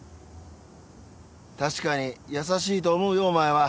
確かに優しいと思うよお前は。